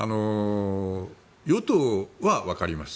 与党はわかります。